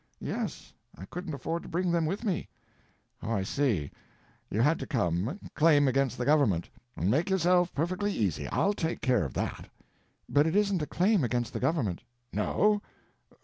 "Yes, I couldn't afford to bring them with me." "Oh, I see,—you had to come—claim against the government. Make yourself perfectly easy—I'll take care of that." "But it isn't a claim against the government." "No?